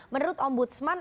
menurut om budsman